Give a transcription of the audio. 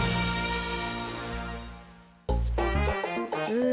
うん。